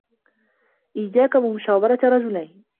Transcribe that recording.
إيَّاكَ وَمُشَاوَرَةَ رَجُلَيْنِ